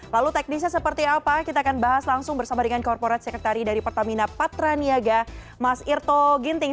lalu teknisnya seperti apa kita akan bahas langsung bersama dengan korporat sekretari dari pertamina patraniaga mas irto ginting